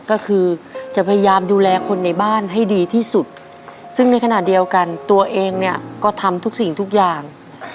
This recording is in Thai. ก็คือจะพยายามดูแลคนในบ้านให้ดีที่สุดซึ่งในขณะเดียวกันตัวเองเนี่ยก็ทำทุกสิ่งทุกอย่าง